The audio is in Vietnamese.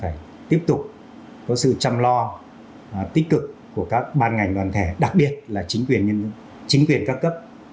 phải tiếp tục có sự chăm lo tích cực của các ban ngành đoàn thể đặc biệt là chính quyền nhân dân chính quyền cao cấp